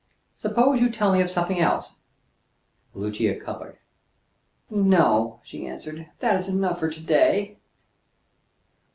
Suppose you tell me of something else." Lucia colored. "No," she answered: "that is enough for to day."